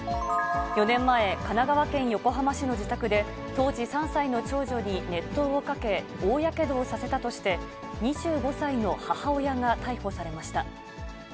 ４年前、神奈川県横浜市の自宅で、当時３歳の長女に熱湯をかけ、大やけどをさせたとして、２５歳の母親が逮捕されました。